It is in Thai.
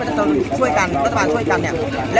สวัสดีครับทุกคนวันนี้เกิดขึ้นทุกวันนี้นะครับ